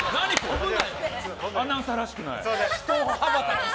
アナウンサーらしくない！